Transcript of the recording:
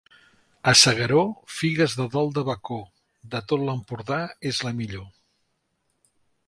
A S'Agaró, figues de dol de bacó, de tot l'Empordà és la millor.